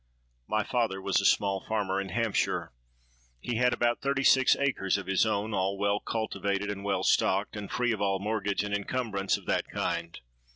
"My father was a small farmer in Hampshire. He had about thirty six acres of his own, all well cultivated and well stocked, and free of all mortgage and encumbrance of that kind.